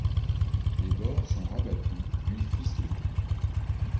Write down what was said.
Les bords sont rabattus puis ficelés.